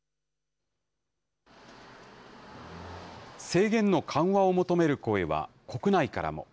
制限の緩和を求める声は、国内からも。